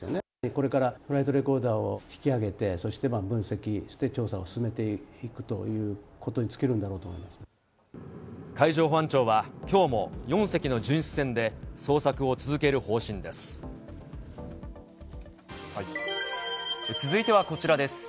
これからフライトレコーダーを引き上げて、そして分析して調査を進めていくということに尽きるん海上保安庁は、きょうも４隻続いてはこちらです。